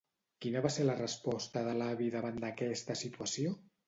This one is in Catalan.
Quina va ser la resposta de l'avi davant d'aquesta situació?